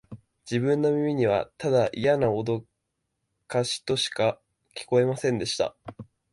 自分の耳には、ただイヤなおどかしとしか聞こえませんでした